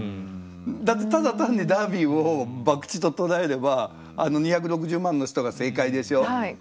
だってただ単にダービーをばくちと捉えればあの２６０万の人が正解でしょ。